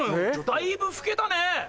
だいぶ老けたね。